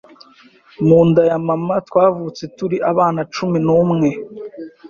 mu nda ya Mama twavutse turi abana cumi numwe